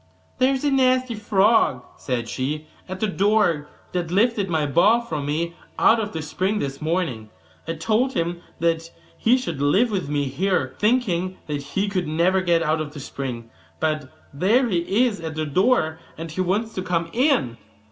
'There is a nasty frog,' said she, 'at the door, that lifted my ball for me out of the spring this morning: I told him that he should live with me here, thinking that he could never get out of the spring; but there he is at the door, and he wants to come in.